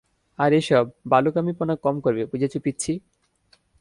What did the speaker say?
আর এসব ভালুকামিপনা কম করবে, বুঝেছ পিচ্চি?